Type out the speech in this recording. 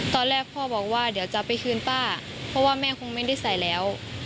ตอนแรกพ่อบอกว่าเดี๋ยวจะไปคืนป้าเพราะว่าแม่คงไม่ได้ใส่แล้ว